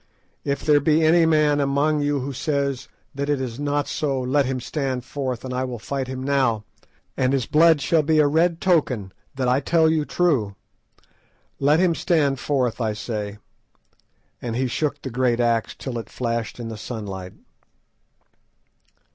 "If there be any man among you who says that it is not so, let him stand forth and I will fight him now, and his blood shall be a red token that I tell you true. Let him stand forth, I say;" and he shook the great axe till it flashed in the sunlight.